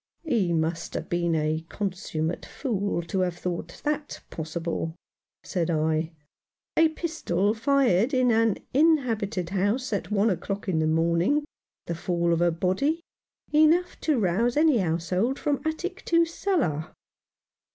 " He must have been a consummate fool to have thought that possible," said I. "A pistol fired in an inhabited house at one o'clock in the morning, 178 Mr. Faunces Record. the fall of a body — enough to rouse any house hold from attic to cellar."